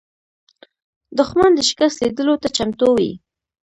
دښمن د شکست لیدلو ته چمتو وي